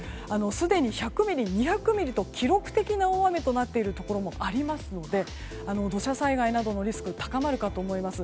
すでに１００ミリ、２００ミリと記録的な大雨になっているところもありますので土砂災害などのリスクが高まるかと思います。